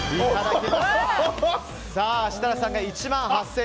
設楽さんが１万８５００円。